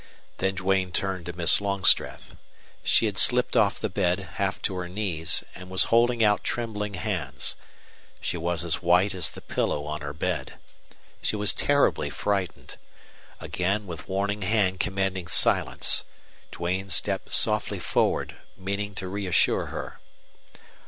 Then Duane turned to Miss Longstreth. She had slipped off the bed, half to her knees, and was holding out trembling hands. She was as white as the pillow on her bed. She was terribly frightened. Again with warning hand commanding silence, Duane stepped softly forward, meaning to reassure her.